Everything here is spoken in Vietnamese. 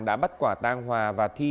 đã bắt quả tang hòa và thi